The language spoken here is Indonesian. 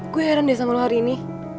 gue heran deh sama lo hari ini